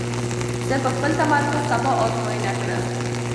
زه به خپل تمرکز سبا ازموینه کړم.